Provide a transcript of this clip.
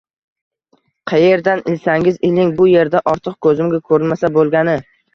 Qayeridan ilsangiz iling, bu yerda ortiq koʻzimga koʻrinmasa boʻlgani.